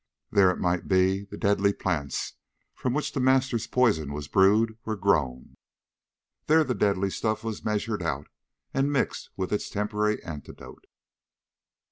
There, it might be, the deadly plants from which The Master's poison was brewed were grown. There the deadly stuff was measured out and mixed with its temporary antidote....